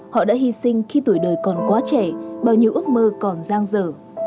họ đã hy sinh khi tuổi đời còn quá trẻ bao nhiêu ước mơ còn giang dở